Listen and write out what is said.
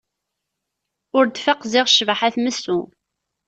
Ur d-tfaq ziɣ ccbaḥa tmessu.